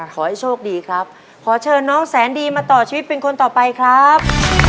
ขอให้โชคดีครับขอเชิญน้องแสนดีมาต่อชีวิตเป็นคนต่อไปครับ